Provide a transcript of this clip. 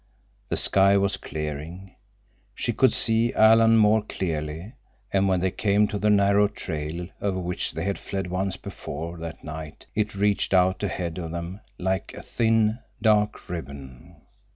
The sky was clearing. She could see Alan more clearly, and when they came to the narrow trail over which they had fled once before that night it reached out ahead of them like a thin, dark ribbon.